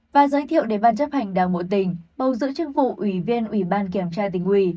và giới thiệu để ban chấp hành đảng bộ tỉnh bầu giữ chức vụ ủy viên ủy ban kiểm tra tỉnh ủy